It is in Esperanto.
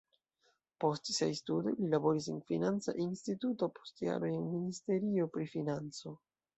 Post siaj studoj li laboris en financa instituto, post jaroj en ministerio pri financo.